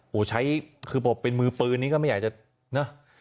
โหใช้คือบอกว่าเป็นมือปืนนี่ก็ไม่อยากจะเนอะ